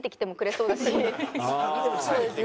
そうですね。